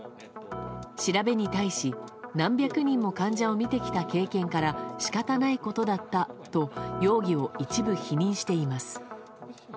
調べに対し、何百人も患者を診てきた経験から仕方ないことだったと容疑を一部否認しています。